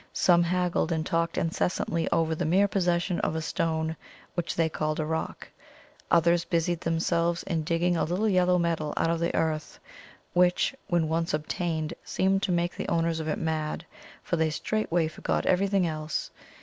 Some haggled and talked incessantly over the mere possession of a stone which they called a rock; others busied themselves in digging a little yellow metal out of the earth, which, when once obtained, seemed to make the owners of it mad, for they straightway forgot everything else.